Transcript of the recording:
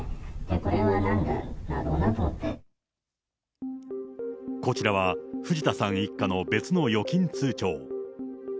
これこちらは藤田さん一家の別の預金通帳。